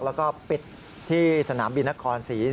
แล้วก็ปิดที่สนามบินนครศรี